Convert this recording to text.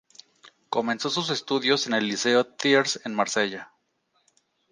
Comenzó sus estudios en el liceo Thiers en Marsella.